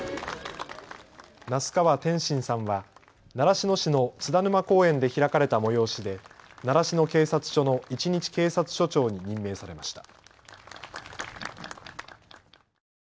那須川天心さんは習志野市の津田沼公園で開かれた催しで習志野警察署の１日警察署長に任命されました。